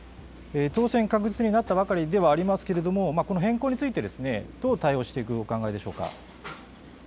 当選確実になったばかりではありますけれどもこの変更についてどう対応していくお考えでしょうか。